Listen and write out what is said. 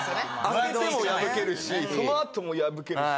開けても破けるしその後も破けるし。